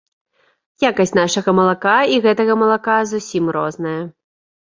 Якасць нашага малака і гэтага малака зусім розная.